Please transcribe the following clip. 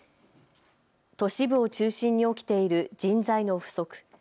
都市部を中心に起きている人材の不足。